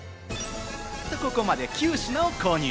ここまで９品を購入。